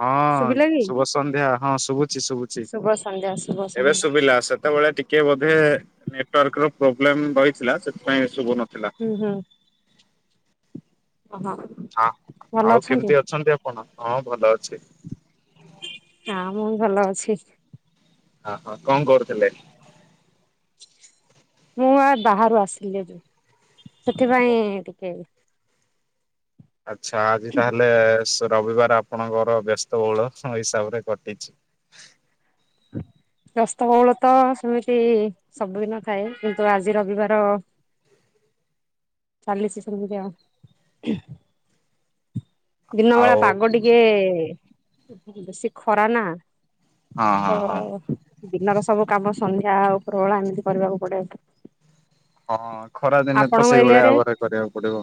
ହଁ ଶୁଭିଲା କି? ଶୁଭ ସନ୍ଧ୍ୟା ହଁ ଶୁଭୁଚି ଶୁଭୁଚି। ଶୁଭ ସନ୍ଧ୍ୟା ଶୁଭ। ଏବେ ସନ୍ଧ୍ୟା। ଶୁଭିଲା ସେତେବେଳେ ଟିକ କେ ବୋଧେ ନେଟୱାର୍କ ର ପ୍ରୋବ୍ଲେମ ରହିଥିଲା ସେଥିପାଇଁ ଶୁଭୁ ନଥିଲା। ହୁଁ ହୁଁ। ଓହୋ। ହଁ ଆଉ କେମିତି ଅଛନ୍ତି ଆପଣ? ହଁ ଭଲ ଅଛି। ହଁ ମୁଁ ଭଲ ଅଛି। ଓହୋ କଣ କରୁଥିଲେ? ମୁଁ ଆ ବାହାରୁ ଆସିଲି ଆ ଯେ ସେଥିପାଇଁ ଟିକେ ଆଚ୍ଛା ଆଜି ତାହେଲେ ରବିବାର ଆପଣଙ୍କର ବ୍ୟସ୍ତବହୁଳ ହିସାବରେ କଟିଚି। ବ୍ୟସ୍ତ ବହୁଳତା ତ ସେମିତି ସବୁଦିନ ଥାଏ କିନ୍ତୁ ଆଜି ରବିବାର ଚାଲିଚି ସେମିତି ଆଉ। ଦିନ ବେଳା ଆଉ ପାଗ ଟିକେ ବେଶୀ ଖରା ନା ହଁ ହଁ ତ ହଁ ଦିନର ସବୁ କାମ ସନ୍ଧ୍ୟା ଆଉ ଉପରଳା ଏମିତି କରିବାକୁ ପଡେ ଆ। ହଁ ଖରା ଦିନେ ତ ସେଇଭଳିଆ ଏରିଆରେ ଆଗରେ କରିବାକୁ ପଡିବ।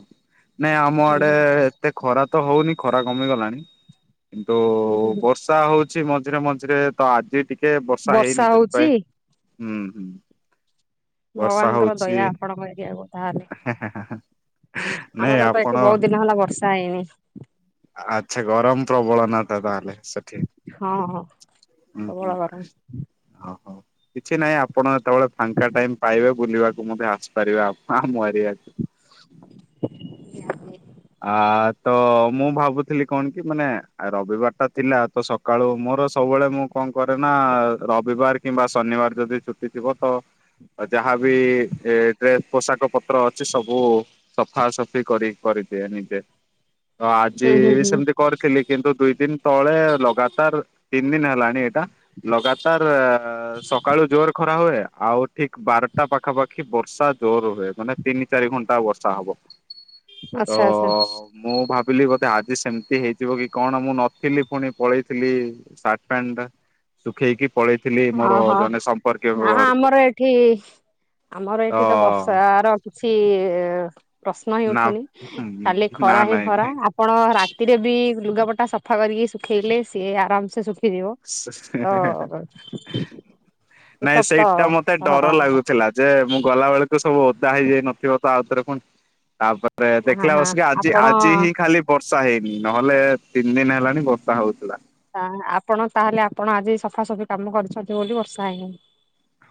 ନାଇ ଆମ ଆଡେ ଏତେ ଖରା ତ ହଉନି ଖରା କମିଗଲାଣି କିନ୍ତୁ ବର୍ଷା ହଉଚି। ଛି ମଝିରେ ମଝିରେ ତ ଆଜି ଟିକେ ବର୍ଷା ହେଇନି ସେଥିପାଇଁ ହୁଁ ହୁଁ। ବର୍ଷା ଭଗବାନଙ୍କର ହଉଛି ଦୟା ଆପଣଙ୍କ ଏରିଆକୁ ତାହେଲେ? ନାଇଁ ଆମର ତ ଏଠି ଆପଣ ବହୁତ ଦିନ ହେଲା ବର୍ଷା ପାଇନି। ଆଚ୍ଛା ଗରମ ପ୍ରବଳ ନା ତା ତାହେଲେ ସେଠି। ହଁ ହଁ। ପ୍ରବଳ ଉଁହୁଁ ଗରମ। ଅଁ ହୋ କିଛି ନାଇଁ ଆ ଆପଣ ଯେତେବେଳେ ଫାଙ୍କା ଟାଇମ ପାଇବେ? ବୁଲିବାକୁ ମଧ୍ୟ ଆସିପାରିବେ ଆପ ଆମ ଏରିଆକୁ। ନାଲେ। ଆ ତ ମୁଁ ଭାବୁଥିଲି କଣ କି ମାନେ ରବିବାର ଟା ଥିଲା ତ ସ କାଳୁ ମୋର ସବୁବେଳେ ମୁଁ କଣ କରେ ନା ରବିବାର କିମ୍ବା ଶନିବାର ଯଦି ଛୁଟି ଥିବ ତ? ଆ ଯାହାବି ଏତେ ପୋଷାକ ପତ୍ର ଅଛି ସବୁ ସଫାସଫି କରି କରିଦିଏ ନିଜେ। ତ ଆଜି ହୁଁ ହୁଁ ହୁଁ ସେମିତି‌ କରିଥିଲି କିନ୍ତୁ ଦୁଇ ଦିନ ତଳେ ଲଗାତାର ତିନି ଦିନ ହେଲାଣି ଏଇଟା। ଲଗାତାର ସକାଳୁ ଜୋର ଖରା ହୁଏ। ଆଉ ଠିକ ବାରଟା ପାଖାପା କି ବର୍ଷା ଜୋର ହୁଏ। ମାନେ ତିନି ଚାରି ଘଣ୍ଟା ବର୍ଷା ହବ। ତ ଆଚ୍ଛା ଆଚ୍ଛା ମୁଁ ଭାବିଲି ବୋଧେ ଆଜି ସେମିତି ହେଇଯିବ କି କଣ? ମୁଁ ନଥିଲି ପୁଣି ପଳେଇଥିଲି। ସାର୍ଟ ପ୍ୟାଣ୍ଟଟା ଶୁଖେଇକି ପଳେଇଥିଲି ମୋର ଓହୋ ଜଣେ ନା ସମ୍ପର୍କୀୟଙ୍କ ଘରକୁ। ଆମର ଏଠି ଆମର ଏଇଠି ତ ବର୍ଷା ର କିଛି ପ୍ରଶ୍ନ ହିଁ ନା ଉଠୁନି କାଲି ନା ଖରା ହିଁ ନାଇଁ ଖରା। ନାଇଁ। ଆପଣ ରାତି ଯଦି ଲୁଗାପଟା ସଫା କରିକି ଶୁଖେଇଲେ ସିଏ ଆରାମ ସେ ଶୁ ହେଁ ହେଁ ହେଁ ନାଇଁ ଉତ୍ତପ୍ତ ସେଇଟା ମତେ ସହର ଡର ଆମର ଲାଗୁଥିଲା। ଯେ ମୁଁ ଗଲା ବେଳକୁ ସବୁ ଓଦା ହେଇଯାଇ ନଥିବ ତ ଆଉଥରେ ପୁଣି। ତାପରେ ରେ ହଁ ଦେଖିଲା ହଁ ବସିକି ଆଜି ଆପଣ ଆଜି ହିଁ ଖାଲି। ବର୍ଷା ହେଇନି ନହେଲେ ତିନି ଦିନ ହେଲାଣି ବର୍ଷା ହଉଥିଲା। ତ ଆପଣ ତାହେଲେ ଆପଣ ଆଜି ସଫାସଫି କାମ କରିଛନ୍ତି ବୋଲି ବର୍ଷା ହେଇନି।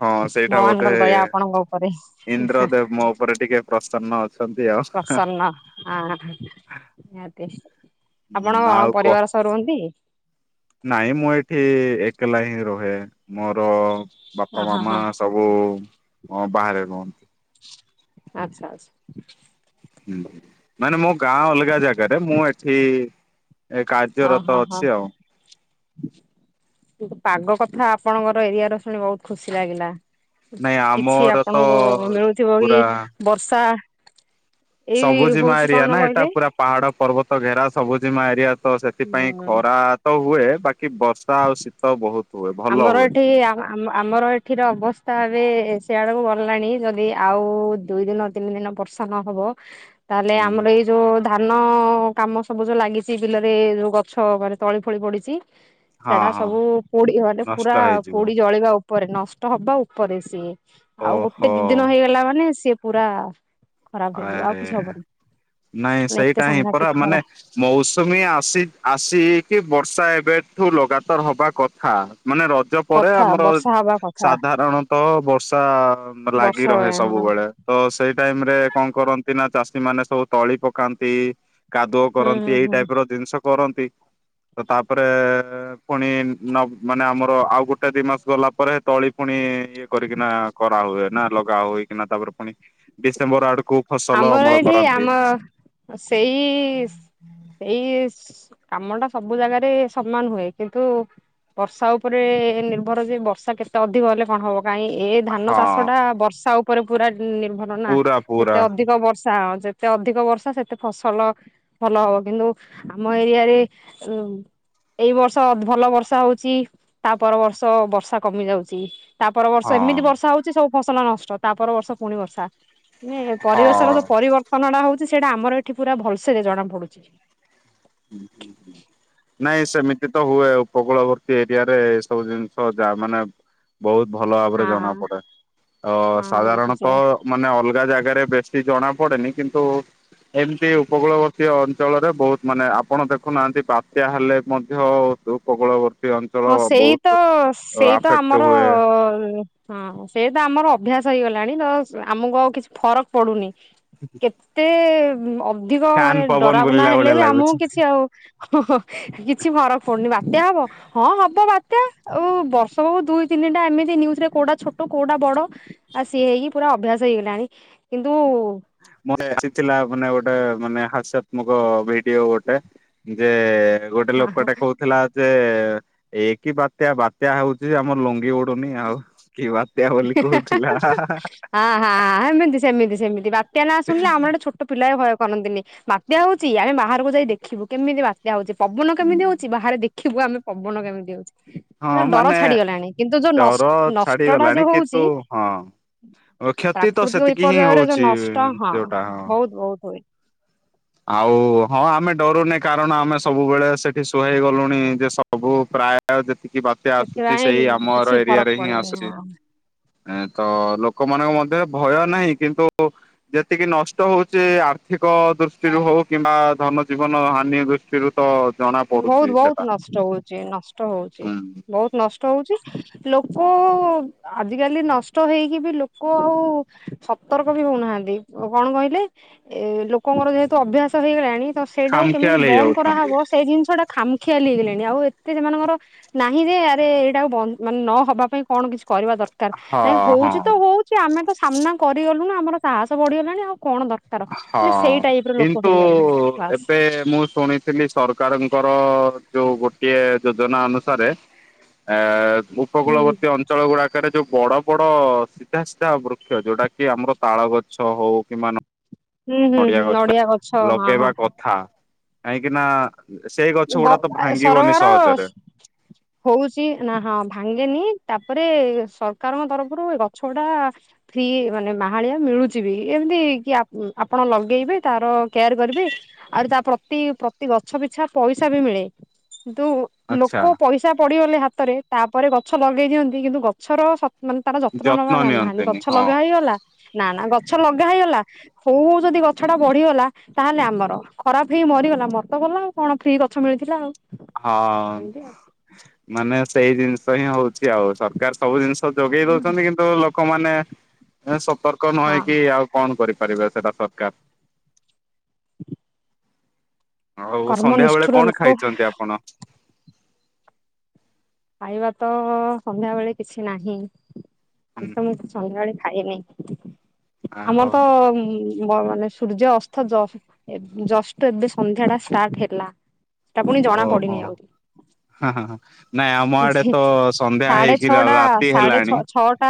ହଁ ସେଇଟା ବୋଧେ ଭଗବାନଙ୍କର ଦୟା ଆପଣଙ୍କ ଉପରେ ଇନ୍ଦ୍ରଦେବ ମୋ ଉପରେ ଟିକେ ପ୍ରସନ୍ନ ଅ ଛନ୍ତି ଆଉ। ପ୍ରସନ୍ନ ଅଁହଁ ନିହାତି ହୁଁ ଆପଣ ଆଉ କଣ କହ ପରିବାର ଅ ରୁହନ୍ତି। ନାଇଁ ମୁଁ ଏଠି ଏକଲା ହିଁ ରୁହେ। ମୋର ବାପା ଅହଁ ମାମା ହଁ ସବୁ ହଁ ବାହାରେ ରୁହ ଆଚ୍ଛା ଆଚ୍ଛା। ଉଁ ହୁଁ ମାନେ ମୋ ଗାଁ ଅଲଗା ଜାଗାରେ। ମୁଁ ଏଠି ଏ କାର୍ଯ୍ୟରତ ଅହଁ ହଁ ଅଛି ଆଉ। କିନ୍ତୁ ପାଗ କଥା ଆପଣଙ୍କର ଏରିଆ ର ଶୁଣି ବହୁତ ଖୁସି ଲାଗିଲା। ନାଇଁ କିଛି ଆମର ତ ଆପଣଙ୍କୁ ମିଳୁଥିବ କି ପୁରା ବର୍ଷା ଏଇ ସବୁଜିମା ହଉଛି ଏରିଆ କଣ ନା ଏଟା କହିଲେ ପୁରା ପାହାଡ ପର୍ବତ ଘେରା ସବୁଜିମା ଏରିଆ ତ ସେଥିପାଇଁ ଉଁ ଖରା ତ ହୁଏ। ବା କି ବର୍ଷା ଆଉ ଶୀତ ବହୁତ। ହୁଏ ଭଲ ଆମର ହୁଏ। ଏଠି ଆ ଆମ ଆମର ଏଠିର ଅବସ୍ଥା ଏବେ ସେ ଆଡକୁ ଗଲାଣି। ଯଦି ଆଉ ଦୁଇ ଦିନ ତିନି ଦିନ ପରେ ସମୟ ହବ ତାହେଲେ ହୁଁ ଆମର ଏ ଯୋଉ ଧାନ କାମ ସବୁ ଯୋଉ ଲାଗିଚି। ବିଲରେ ଯୋଉ ଗଛ ମାନେ ତଳି ଫଳି ପଡିଚି। ହଁ ସେଟା ସବୁ ପୋଡି ମାନେ ପୁରା ନଷ୍ଟ ହେଇଯିବ ପୋଡି ଜଳିବା ଉପରେ ନଷ୍ଟ ହବା ଉପରେ ସିଏ। ଆଉ ଗୋଟେ ଓହୋ ଦି ଦିନ ହେଇଗଲା ମାନେ ସିଏ ପୁରା ଖରାପ ହେଇଯିବ ଆଉ ଆରେ କିଛି ହବନି। ନାଇଁ ମାନେ ଏତେ ସେଇଟା ହିଁ ପରା ସାଂଘାତିକ ମାନେ ଖରା ମୌସୁମୀ ଆସି ଆସିକି ବର୍ଷା ଏବେଠୁ ଲଗାତାର ହବା କଥା ମାନେ ରଥ ରଜ ପରେ କଥା ଆମର ବର୍ଷା ହବା କଥା ସାଧାରଣତଃ ବର୍ଷା ଲାଗି ବର୍ଷା ରହେ ହଁ ସବୁବେଳେ। ତ ସେଇ ଟାଇମ ରେ କଣ କରନ୍ତି ନା ଚାଷୀ ମାନେ ସବୁ ତଳି ପକାନ୍ତି। କାଦୁଅ ହୁଁ କରନ୍ତି ହୁଁ ଏଇ ହୁଁ ଟାଇପ ର ଜିନିଷ କରନ୍ତି ତ ତାପରେ ପୁଣି ନ ମାନେ ଆମର ଆଉ ଗୋଟେ ଦି ମାସ ଗଲା ପରେ ତଳି ପୁଣି ଇଏ କରିକିନା କରା ହୁଏ ନା ଲଗା ହୁଏ କି ନା ତାପରେ ପୁଣି ଡିସେମ୍ବର ଆଡକୁ ଫସଲ ଆମର ଅମଳ ଏଠି ଆମ କରନ୍ତି। ସେଇ ଏଇ କାମଟା ସବୁ ଜାଗାରେ ସମାନ ହୁଏ କିନ୍ତୁ ବର୍ଷା ଉପରେ ନିର୍ଭର ଯେ ବର୍ଷା କେତେ ଅଧିକ ହେଲେ କଣ ହବ। ନାଇଁ ଏଇ ଧାନ ଚାଷ ହଁ ଟା ବର୍ଷା ଉପରେ ପୁରା ନିର୍ଭର ନା ପୁରା ପୁରା ଯେତେ ଅଧିକ ବର୍ଷା ଯେତେ ଅଧିକ ବର୍ଷା ସେତେ ଫସଲ ଭଲ ହବ କିନ୍ତୁ ଆମ ଏରିଆରେ ଉ ଏଇ ବର୍ଷ ଭଲ ବର୍ଷା ହଉଛି ତା ପର ବର୍ଷ ବର୍ଷା କମି ଯାଉଛି। ତା ପର ବର୍ଷ ଏମିତି ହଁ। ବର୍ଷା ହଉଛି ସବୁ ଫସଲ ନଷ୍ଟ ତା ପର ବର୍ଷ ପୁଣି ବର୍ଷା। ନ ପରିବେଶର ହଁ ଯୋଉ ପରିବର୍ତ୍ତନ ଟା ହଉଛି ସେଇଟା ଆମର ଏଠି ପୁରା ଭଲସେରେ ଜଣା ପଡୁଛି। ହୁଁ ହୁଁ ହୁଁ। ନାଇଁ ସେମିତି ତ ହୁଏ ଉପକୂଳବର୍ତ୍ତୀ ଏରିଆରେ ଏ ସବୁ ଜିନିଷ ଯା ମାନେ ବହୁତ ଭଲ ଭାବରେ ଜଣା ହଁ। ପଡେ ତ ହଁ ପଡୁଛି ସାଧାରଣତ ସେଇଆ ମାନେ ଅଲଗା ଜାଗାରେ ବେଶୀ ଜଣା ପଡେନି କିନ୍ତୁ ଏମତି ଉପକୂଳବରତୀୟ ଅଞ୍ଚଳରେ ବହୁତ ମାନେ ଆପଣ ଦେଖୁନାହାନ୍ତି ବାତ୍ୟା ହେଲେ ମଧ୍ୟ ପବଳ ଵ ହଁ ସେଇ ତ ସେଇ ତ ଆଫେକ୍ଟ ଆମର ହୁଏ ହଁ ସେ ତ ଆମର ଅଭ୍ୟାସ ହେଇଗଲାଣି ତ ଆମକୁ ଆଉ କିଛି ଫରକ ପଡୁନି। ହଜ୍ ଏତେ ଅଧିକ ମାନେ ପବନ ଡରାବନା ବୁଲିଲା ହେଲେ ଭଳିଆ ବି ଲାଗୁଛି। ଆମକୁ କିଛି ଆଉ ଓ ହୋ କିଛି ଫରକ ପଡୁନି ବାତ୍ୟା ହବ। ହଁ ହବ ବାତ୍ୟା ଆଉ ବର୍ଷ କୁ ଦୁଇ ତିନିଟା ଏମିତି ନିଉଜୁରେ କୋଉଟା ଛୋଟ କୋଉଟା ବଡ ଆଉ ସିଏ ହେଇକି ପୁରା ଅଭ୍ୟାସ ହେଇଗଲାଣି କିନ୍ତୁ ମୁଁ ଆସିଥିଲା ମାନେ ଗୋଟେ ମାନେ ହାସ୍ୟାତ୍ମକ ଭିଡିଓ ଗୋଟେ। ଯେ ଗୋଟେ ଲୋକଟା କହୁଥିଲା ଯେ ଏଇ କିି ବାତ୍ୟା ବାତ୍ୟା ହଉଛି ଆମର ଲୁଙ୍ଗି ଉଡୁନି ଆଉ କି ବାତ୍ୟା ବୋଲି କହୁଥିଲା। ହାଁ ହାଁ ହାଁ ହେମିତି ସେମିତି ସେମିତି ବାତ୍ୟା ନାଁ ଶୁଣିଲେ ଆମ ଆଡେ ପିଲା ଭୟ କରନ୍ତିନି ବାତ୍ୟା ହଉଛି ଆମେ ବାହାରକୁ ଯାଇ ଦେଖିବୁ କେମିତି ବାତ ଯାଉଛି ପବନ କେମିତି ହଉଛି ବାହାରେ ଦେଖିବୁ ଆମେ ପବନ କେମିତି ହଁ ହଉଛି। ଡର ମାନେ ଛାଡିଗଲାଣି କିନ୍ତୁ ଯୋଉ ଡର ନଷ୍ଟ ଟା ଛାଡିଗଲାଣି ଯୋଉ କିନ୍ତୁ ହଉଛି ହଁ କ୍ଷତି ତ ପ୍ରାକୃତିକ ସେତିକି ହିଁ ବିପର୍ଯ୍ୟୟରେ ଯୋଉ ହଉଛି ନଷ୍ଟ ହଁ ଯୋଉଟା ହଁ। ବହୁତ ବହୁତ ହୁଏ। ଆଉ ହଁ ଆମେ ଡରୁନି କାରଣ ଆମେ ସବୁବେଳେ ସେଠି ସୁହେଇ ଗଲୁଣି ଯେ ସବୁ ପ୍ରାୟ ଯେତିକି ବାତ୍ୟା ଆସୁଛି ସେଥିପାଇଁ ସେଇ ଆମର କିଛି ଏରିଆ ଫରକ ରେ ହିଁ ପଡେନି ଆସୁଛି। ହଁ। ଏ ତ ଲୋକମାନଙ୍କ ମଧ୍ୟରେ ଭୟ ନାହିଁ କିନ୍ତୁ ଯେତିକି ନଷ୍ଟ ହଉଛି ଆର୍ଥିକ ଦୃଷ୍ଟିରୁ ହଉ କିମ୍ବା ଧନ ଜୀବନ ହାନି ଦୃଷ୍ଟି ସେଥିରୁ ତ ଜଣା ପଡୁଛି ସେଟା। ଛି ନଷ୍ଟ ହଉଛି ହୁଁ ବହୁତ ନଷ୍ଟ ହଉଛି ଲୋକ ଆଜିକାଲି ନଷ୍ଟ ହେଇକି ବି ଲୋ ଲୋକ ଆଉ ସତର୍କ ବି ହଉନାହାନ୍ତି କଣ କହିଲେ? ଏ ଲୋକଙ୍କର ଯେହେତୁ ଅଭ୍ୟାସ ହେଇଗଲାଣି ତ ସେଇଟାକୁ କେମିତି ଖାମଖିଆଲ ବନ୍ଦ କରାହବ। ହେଇଯାଉଛନ୍ତି ସେଇ ଜିନିଷ ଟା ଖାମଖିଆଲି ହେଇଗଲେଣି ଆଉ ଏତେ ସେମାନଙ୍କର ନାହିଁ ରେ ଆରେ ଏଇଟାକୁଵ ମାନେ ନହବା ପାଇଁ କଣ କିଛି କରିବା ଦରକାର? ହଁ ଦରକାର ନାଇଁ ହଉଛି ତ ହଁ ହଉଛି ଆମେ ତ ସାମ୍ନା କରିଗଲୁ ନା ଆମର ସାହସ ବଢିଗଲାଣି ଆଉ କଣ ଦରକାର, ମାନେ ହଁ ସେଇ ଟାଇପ ର ଲୋକ କିନ୍ତୁ ହେଇଗଲେଣି ବାସ୍ ଏବେ ମୁଁ ଶୁଣି ଥିଲି ସରକାରଙ୍କର ଯୋଉ ଗୋଟିଏ ଯୋଜନା ଅନୁସାରେ ଏ ହୁଁ ଉପକୂଳବର୍ତ୍ତୀ ଅଞ୍ଚଳ ଗୁଡା କରେ ଯୋଉ ବଡ ବଡ ସିଧା ସିଧା ବୃକ୍ଷ, ଯୋଉଟା କି ଆମର ତାଳ ଗଛ ହଉ କିମ୍ୱା ହୁଁ ହୁଁ ନଡିଆ ହୁଁ ଗଛ ହଁ ହଁ ଲଗେଇବା କଥା। କାହିଁକି ନା ସେ ଗଛ ଗ ଗୁଡା ତ ଭାଙ୍ଗିବନି ସହଜରେ। ହଉଚି ନା ହଁ ଭାଙ୍ଗେନି ତାପରେ ସରକାରଙ୍କ ତରଫରୁ ଏ ଗଛ ଗୁଡା ଫ୍ରି ମାନେ ମାହାଳିଆ ମିଳୁଚି ବି, ଏମତି କି ଆପ ଆପଣ ଲଗେଇବେ ତାର କେୟାର କରିବେ ଆଉରି ତା ପ୍ରତି ପ୍ରତି ଗଛ ପିଛା ପଇସା ବି ମିଳେ, କିନ୍ତୁ ଆଚ୍ଛା। ଲୋକ ପଇ ସା ପଡିଗଲେ ହାତରେ ତାପରେ ଗଛ ଲଗେଇ ଦିଅନ୍ତି, କିନ୍ତୁ ଗଛର ମାନେ ତାର ଯତ୍ନ ନବା ଜାଣି ନାହାଁନ୍ତି, ନିଅନ୍ତିନି ଗଛ ହଁ ଲଗା ହେଇଗଲା ନା ନା ଗଛ ଲଗା ହେଇଗଲା ହଉ ହଉ ଯଦି ଗଛଟା ବଢିଗଲା ତାହେଲେ ଆମର, ଖରାପ ହେଇ ମରିଗଲା ମରି ତ ଗଲା ଆଉ। କଣ ଫ୍ରି ଗଛ ମିଳିଥିଲା ଆଉ। ଏମିତି ଆଉ ହଁ ମାନେ ସେଇ ଜିନିଷ ହିଁ ହଉଚି ଆଉ ସ ରକାର ସବୁ ଜିନିଷ ଯୋଗେଇ ଦଉଚନ୍ତି, କିନ୍ତୁ ଲୋକମାନେ ସତର୍କ ନ ହଁ ହେଇକି ଆଉ କଣ କରିପାରିବେ ସେଇଟା ସରକାର। ଆଉ କର୍ମ ସନ୍ଧ୍ୟାବେଳେ ନିଷ୍ଠୁର କଣ ଲୋକ ଖାଇଛନ୍ତି ଆପଣ? ଖାଇବା ତ ସନ୍ଧ୍ୟାବେଳେ କିଛି ନାହିଁ, ହୁଁ ଆଜ ତ ମୁଁ ହୁଁ ସନ୍ଧ୍ୟାବେଳେ ଖାଇନି, ଆମର ଆହୋ ତ ବ ମାନେ ସୂର୍ଯ୍ୟ ଅସ୍ତ ଜ ଏବ ଜଷ୍ଟ ଏବେ ସନ୍ଧ୍ୟାଟା ଷ୍ଟାର୍ଟ ହେଲା। ସେଟା ପୁଣି ଜଣା ଓହୋ ପଡିନି ଆହୁରି ହାଁ-ହାଁ-ହାଁ। ନାଇଁ ଆମ ଆଡେ ଯେ ତ ସନ୍ଧ୍ୟା ସାଢେ ହେଇକି ଛଅଟା ରା-ରାତି ସାଢେ ଛଅ ହେଲାଣି। ଛଅଟା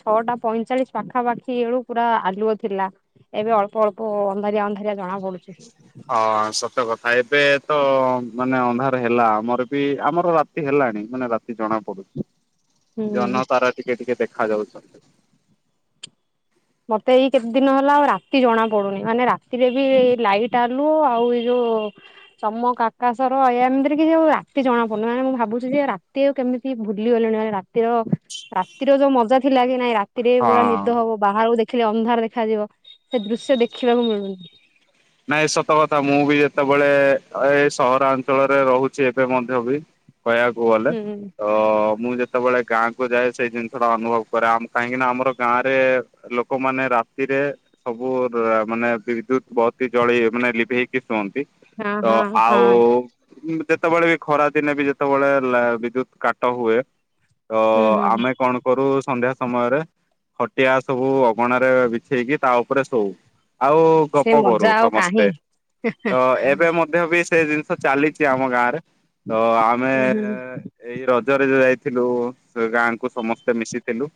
ଛଅଟା ପଇଁଚାଳିଶ ପାଖାପାଖି ବେଳୁ ପୁରା ଆଲୁଅ ଥିଲା। ଏବେ ଅଳ୍ପ ଅଳ୍ପ ଅନ୍ଧାରିଆ ଅନ୍ଧାରିଆ ଜଣା ପଡୁଛି। ହଁ ସତ କଥା ଏବେ ତ ମାନେ ଅନ୍ଧାର ହେଲା, ଆମର ବି ଆମର ରା ତି ହେଲାଣି ମାନେ ରାତି ଜଣା ପଡୁ ହଁ ଜହ୍ନ ତାରା ଟିକେ ଟିକେ ଦେଖା ଯାଉଛନ୍ତି। ମତେ ଏଇ କେତ ଦିନ ହେଲା ଆଉ ରାତି ଜଣା ପଡୁନି, ମାନେ ରାତିରେ ବି ଲାଇଟ୍ ଆଲୁଅ ଆଉ ଏଇ ଯୋଉ ତମ କାକାସର ଏମିତିରେ କି ଯୋଉ ରାତି ଜଣା ପଡୁନି, ମାନେ ମୁଁ ଭାବୁଚି ଯେ ରାତି ଆଉ କେମି ତି ଭୁଲିଗଲିଣି ମାନେ ରାତିର ରାତିର ଯୋଉ ମଜା ଥିଲା କି ନାଇଁ ରା ତିରେ ପୁରା ହଁ। ନିଦ ହବ, ବାହାରକୁ ଦେଖିଲେ ଅନ୍ଧାର ଦେଖାଯିବ, ସେ ଦୃଶ୍ୟ ଦେଖିବାକୁ ମିଳୁନି। ନାଇଁ ଏ ସତ କଥା ମୁଁ ବି ଯେତେବେଳେ ଏ ସହରାଞ୍ଚଳରେ ରହୁଚି ଏବେ ମଧ୍ୟ ବି କହିଆକୁ ଗଲେ। ହୁଁ ତ ମୁଁ ଯେତେବେଳେ ଗାଁକୁ ଯାଏ ସେଇ ଜିନଷଟା ଅନୁଭବ କରେ, ଆମ କାହିଁକି ନା ଆମର ଗାଁରେ ଲୋକମାନେ ରାତିରେ ସବୁ ରା ମାନେ ବିଦ୍ୟୁତ ବତ ଜଳେଇ ମାନେ ଲିଭେଇକି ଶୁଅନ୍ତି, ହଁ ତ ହଁ ହଁ ଆଉ ଯେତେବେଳେ ବି ଖରା ଦିନେ ବି ଯେତେବେଳେ ଲା ବିଦ୍ୟୁତ କାଟ ହୁଏ ତ ହୁଁ ହୁଁ। ଆମେ କଣ କରୁ ସନ୍ଧ୍ୟା ସମୟରେ ଖଟିଆ ସବୁ ଅଗଣାରେ ବିଛେଇକି ତା ଉପରେ ଶୋଉ। ଆଉ ସେ ଗପ କରୁ ମଜା ଆଉ ସମସ୍ତେ, କାହିଁ ତ ଏବେ ମଧ୍ୟ ବି ସେ ଜିନଷ ଚାଲିଚି ଆମ ଗାଁରେ, ତ ଆମେ ଏଇ ରଜରେ ଯାଇଥିଲୁ ସେ ଗାଁକୁ ସମସ୍ତେ ମିଶିଥିଲୁ।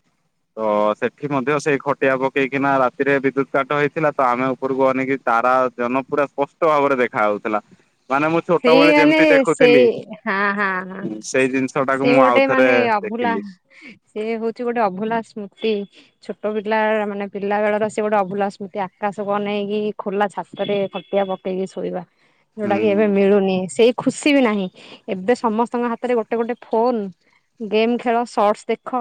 ତ ସେଠି ମଧ୍ୟ ସେଇ ଖଟିଆ ପକେଇକିନା ରାତିରେ ବିଦ୍ୟୁତ କାଟ ହେଇଥିଲା ତ ଆମେ ଉପରକୁ ଅ ନେଇ କି ତାରା ଜହ୍ନ ପୁରା ସ୍ପଷ୍ଟ ଭାବରେ ଦେଖା ଉଥିଲା। ସେଇ ମାନେ ସେଇ ହାଁ-ହାଁ-ହାଁ ସେଇ ଜିନିଷ ଟାକୁ ସେ ମୁଁ ଗୋଟେ ଆଉଥରେ ମାନେ ଅ ଅଭୁଲା ଦେଖିଲି। ସେ ହଉଚି ଗୋଟେ ଅଭୁଲା ସ୍ମୃତି। ଛୋଟ ପିଲା ମାନେ ପିଲା ବେଳର ସେଏ ଗୋଟେ ଅଭୁଲା ସ୍ମୃତି ଆକାଶକୁ ଅନେଇକି ଖୋଲା ଛାତରେ ଖଟିଆ ପ କେଇକି ଶୋଇବା, ଯୋଉଟା କି ଏ ହୁଁ। ମିଳୁନି ସେଇ ଖୁସି ବି ନାହିଁ ଏବେ ସମସ୍ତଙ୍କ ହାତରେ ଗୋଟେ ଗୋଟେ ଫୋନ୍ ଗେମ୍ ଖେଳ ସର୍ଟସ୍ ଦେଖ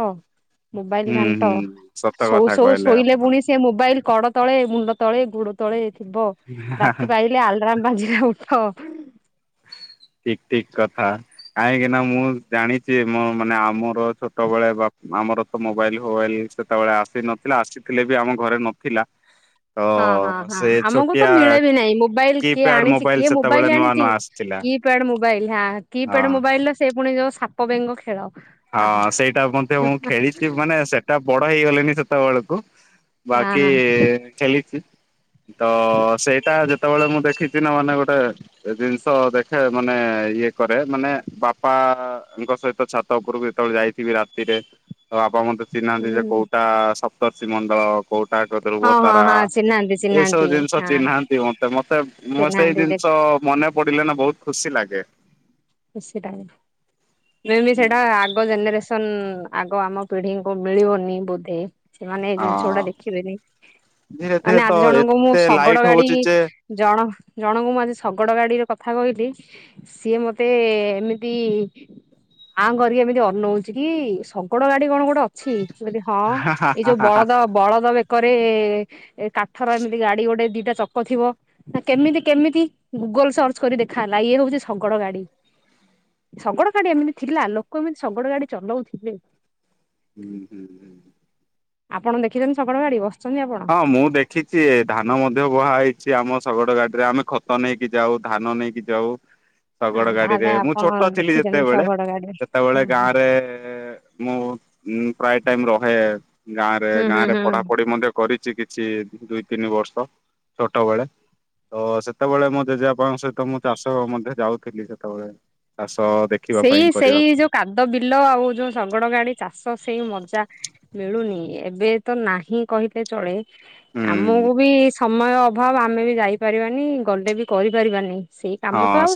ମୋବାଇଲ୍ ହୁଁ ଘାଣ୍ଟ ହୁଁ ସତ ଶୋଉ କଥା ଶୋଉ କହିଲେ ଶୋଇଲେ ଆପଣ ପୁଣି ଏ ମୋବାଇଲ କଡ ତଳେ, ମୁଣ୍ଡ ତଳେ, ଗୋଡ ତଳେ, ଥିବ ରାତି ପାଇଲେ ଆଲ୍ ରାମ୍ ବାଜିଲେ ଉଠ। ଠିକ ଠିକ କଥା। କାହିଁକିନା ମୁଁ ଜାଣିଚି ମୋ ମାନେ ଆମର ଛୋଟବେଳେ ବା ଆମର ମୋବାଇଲ ଫୋବାଇଲ ସେତେବେଳେ ଆସି ନଥିଲା ଆସିଥିଲେ ବି ଆମ ଘରେ ନଥିଲା। ତ ହଁ ହଁ ହଁ ସେ ଆମକୁ ତ ଛୋଟିଆ ମିଳେ ବି ନାହିଁ ମୋବାଇଲ କିଏ କିପ୍ୟାଡ ଆଣିଚି କିଏ ସେତେବେଳେ ମୋବାଇଲ ନୂଆ ଆଣିଚି ନୂଆ କି ଆସିଥିଲା କିପ୍ୟାଡ ମୋବାଇଲ ହା ହଁ। କିପ୍ୟାଡ ମୋବାଇଲର ସେ ପୁଣି ଯୋଉ ସାପବେଙ୍ଗ ଖେଳ। ଆହା ହଁ ସେଇଟା ମଧ୍ୟ ମୁଁ ଖେଳିଚି ମାନେ ସେଟା ବଡ ହେଇଗଲେଣିି ସେତବେଳକୁ ବାକି ଆହା ଚାଲିଚି। ତ ସେଇଟା ଯେତେବେଳେ ମୁଁ ଦେଖିଚି ନା ମାନେ ଗୋଟେ ସେ ଜିନିଷ ଦେଖେ ମାନେ ଇଏ କରେ ମାନେ ବାପାଙ୍କ ସହିତ ଛାତ୍ ଛାତ ଉପରକୁ ଯେତେବେଳେ ଯାଇଥିବି ରାତିରେ ତ ବାପା ମତେ ଚିହ୍ନାନ୍ତି ହୁଁ ଯେ କୋଉଟା ସପ୍ତର୍ଷି ମଣ୍ଡଳ। କୋଉଟା ଏକ ଧ୍ରୁବ ହଁ ହଁ ତାରା ହଁ ଚିହ୍ନାନ୍ତି ଏସବୁ ଚିହ୍ନାନ୍ତି ଜିନିଷ ହଁ ଚିହ୍ନାନ୍ତି ମତେ ମତେ ମୁଁ ସେଇ ଚିହ୍ନାନ୍ତି ଜିନିଷ ଦେଖ ମନେପଡ଼ିଲେ ନା ବୋହୁତ ଖୁସିଲାଗେ। ଖୁସି ଲାଗେ [unintelligible] ସେଇଟା ଆଗୁ ଜେନେରେସେ ସନ୍ ଆଗ ଆମ ପିଢିଙ୍କୁ ମିଳିବନି ବୋଧେ। ସେମାନେ ଏଇ ଜିନିଷଗୁଡା ହଁ ଦେଖିବେନି ଧୀରେ ମାନେ ଧୀରେ ତ ଆଜି ଜଣଙ୍କୁ ମୁଁ ଏତେ ଶଗଡ ଲାଇଟ୍ ଗାଡି ହଉଛି ଯେ ଜଣ ଜଣଙ୍କୁ ମୁଁ ଆଜି ଶଗଡ଼ ଗାଡିରେ କଥା କହିଲି ସିଏ ମତେ ମତେ ଏମିତି ଆଁ କରିକି ଏମିତି ଅନୋଉଚି କି ଶଗଡ଼ ଗାଡି କଣ ଗୋଟ ଅ ଅଛି ମୁଁ କହିଲି ହଁ ହା ହା ଏଇ ହା ଯୋଉ ହା ହା। ବଳଦ ବଳଦ ବେକରେ ଏ କାଠର ଏମତି ଗାଡି ଗୋଟେ ଦିଟା ଚ କ ଥିବ ନା କେମିତି କେମିତି ଗୁଗଲ୍ ସର୍ଚ୍ଚ୍ କରି ଦେଖାହେଲା ଇଏ ହୋଉଚି ଶଗଡ଼ ଗାଡି। ଶଗଡ ଗାଡି ଏମିତି ଥିଲା ଲୋକ ଏମିତି ଶଗଡ଼ ଗାଡି ଚଲୋଉଥୁଲେ। ହୁଁ ହୁଁ ହୁଁ। ଆପଣ ଦେଖିଚନ୍ତି ସଗଡ ଗାଡି ବସିଚନ୍ତି ଆପଣ? ହଁ ମୁଁ ଦେଖିଚି ଧାନ ମଧ୍ୟ ବୋହାହେଇଚି ଆମ ଶଗଡ଼ ଗାଡିରେ ଆମେ ଖତ ନେଇକି ଯାଉ ଧାନ ନେଇକି ଯାଉ। [unintelligible] ଶଗଡ ଗାଡିରେ ତାହେଲେ ମୁଁ ଆପଣ ଛୋଟ ଥିଲି ଦେଖିଛନ୍ତି ଯେତେବେଳେ ଶଗଡ ଗାଡି ହଁ ସେତେବେଳେ ଗାଁରେ ଏ ମୁଁ ଉମ୍ ପ୍ରାୟ ଟାଇମ ରହେ ଗାଁରେ ହୁଁ ହୁଁ ଗାଁରେ ହୁଁ ପଢାପଢି ମଧ୍ୟ କରିଚି କିଛି ଦୁଇତିନି ବର୍ଷ ଛୋଟବେଳେ। ତ ସେତେବେଳେ ମୋ ଜେଜେବାପଙ୍କ ସହିତ ମୁଁ ଚାଷ ମଧ୍ୟ ଯାଉଥିଲି ସେତେବେଳେ। ଚାଷ ଦେ ସେଇ ସେଇ ଯୋଉ କାଦ ବିଲ ଆଉ ଯୋଉ ସଗଡ ଗାଡି ଚାଷ ସେଇ ମଜା। ମିଳୁନି ଏବେ ତ ନାହିଁ କହିଲେ ଚଳେ ହୁଁ ଆମକୁ ବି ସ୍ ସମୟ ଅଭାବ ଆମେ ବି ଯାଇପାରିବାନି ଗଲେ ବି କରିପାରିବାନି ସେଇ କାମ ତ ହଁ ଆଉ